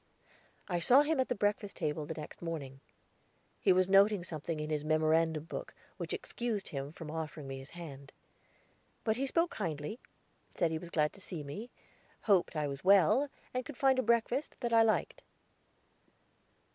I saw him at the breakfast table the next morning. He was noting something in his memorandum book, which excused him from offering me his hand; but he spoke kindly, said he was glad to see me, hoped I was well, and could find a breakfast that I liked.